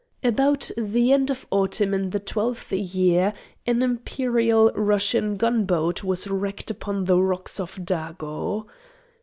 About the end of autumn in the twelfth year an imperial Russian gunboat was wrecked upon the rocks of Dago.